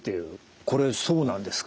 これそうなんですか？